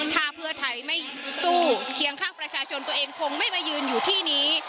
ถ้าเพื่อไทยไม่สู้เคียงข้างประชาชนตัวเองคงไม่มายืนอยู่ที่นี้